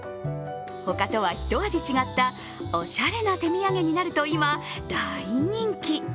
他とはひと味違ったおしゃれな手土産になると今、大人気。